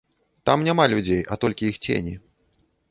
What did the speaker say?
Там няма людзей, а толькі іх цені.